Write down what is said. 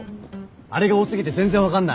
あれが多過ぎて全然分かんない。